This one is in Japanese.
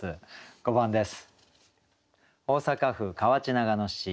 ５番です。